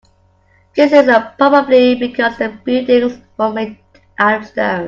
This is probably because the buildings were made out of stone.